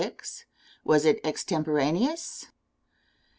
Was it extemporaneous?